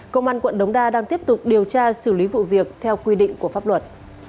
công an quận đống đa đang tiếp tục điều tra xử lý vụ việc theo quy định của pháp luật